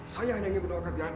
saya hanya ingin berdoa ke bianca